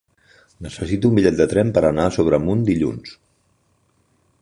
Necessito un bitllet de tren per anar a Sobremunt dilluns.